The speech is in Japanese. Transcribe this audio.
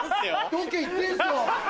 ロケ行ってんすよ！